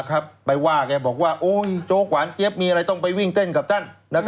คนก็ว่าแกบอกว่าโอ๊ยเจฟโจฮขวานมีอะไรต้องไปวิ่งเต้นกับท่าน